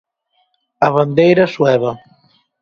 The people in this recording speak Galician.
A bandeira sueva.